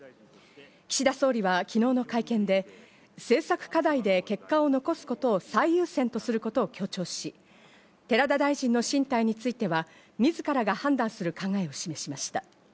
岸田総理は昨日の会見で、政策課題で結果を残すことを最優先とすることを強調し、寺田大臣の進退については、自らが判断する考えを示しました。